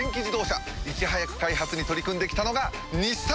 いち早く開発に取り組んで来たのが日産！